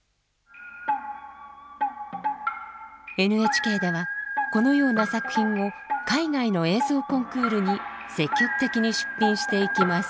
ＮＨＫではこのような作品を海外の映像コンクールに積極的に出品していきます。